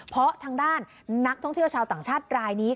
เพราะทางด้านนักท่องเที่ยวชาวต่างชาติรายนี้